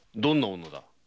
どんな女だ？